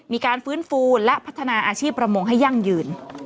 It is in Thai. มีการฟื้นฟูและพัฒนาอาชีพประมงให้ยั่งยืน